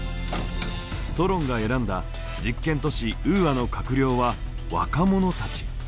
ソロンが選んだ実験都市ウーアの閣僚は若者たち。